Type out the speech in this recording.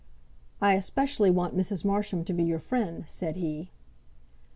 "I especially want Mrs. Marsham to be your friend," said he.